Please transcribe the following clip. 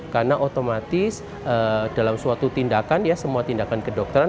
karena otomatis dalam suatu tindakan semua tindakan kedokteran